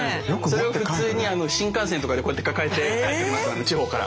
それを普通に新幹線とかでこうやって抱えて帰ってきますからね地方から。